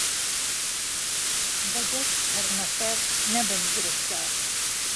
به دهست قەرنهفهر نهبم گرفتار